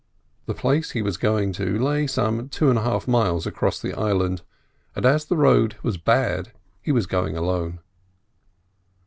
The place he was going to lay some two and a half miles away across the island, and as the road was bad he was going alone.